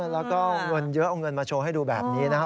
แล้วก็เงินเยอะเอาเงินมาโชว์ให้ดูแบบนี้นะครับ